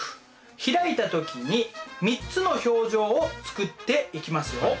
開いた時に３つの表情を作っていきますよ。